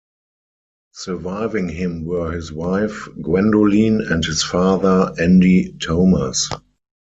Surviving him were his wife, Gwendolyn, and his father, Andy Thomas.